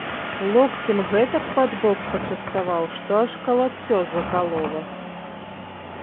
Локцем гэтак пад бок пачаставаў, што аж калаццё закалола.